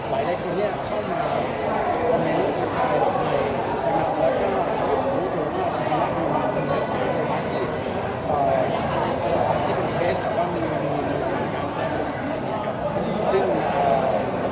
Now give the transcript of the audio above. วัยได้คนเนี่ยเข้ามาคอมเมนูกับค่าแล้วก็รู้สึกว่ามันเป็นคนแรกมากที่สิ่งที่เป็นเคสกับวันนี้มันเป็นสิ่งที่สุดท้ายกัน